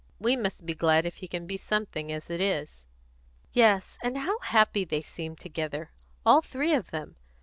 "We must be glad if he can be something, as it is." "Yes, and how happy they seem together, all three of them!